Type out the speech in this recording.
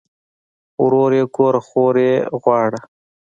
ورور ئې ګوره خور ئې غواړه